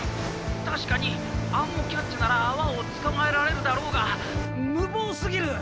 「確かにアンモキャッチなら泡を捕まえられるだろうが無謀すぎる！」。